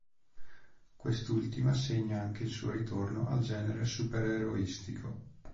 Quest'ultima segna anche il suo ritorno al genere supereroistico.